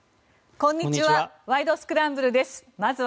こんにちは。